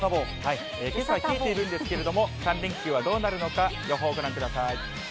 けさは冷えているんですけれども、３連休はどうなるのか、予報、ご覧ください。